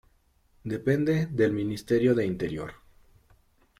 Depende del Ministerio de Interior.